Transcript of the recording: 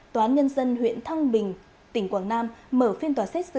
tòa án nhân dân huyện thăng bình tỉnh quảng nam mở phiên tòa xét xử